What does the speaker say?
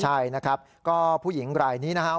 ใช่นะครับก็ผู้หญิงรายนี้นะครับ